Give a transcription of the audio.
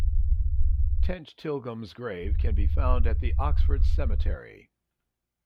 Tench Tilghman's grave can be found at the Oxford cemetery.